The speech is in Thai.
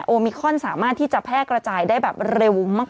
โอมิคอนสามารถที่จะแพร่กระจายได้แบบเร็วมาก